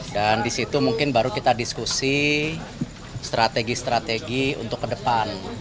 dan disitu mungkin baru kita diskusi strategi strategi untuk ke depan